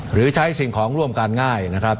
หรือใช้สิ่งของร่วมกันง่ายนะครับ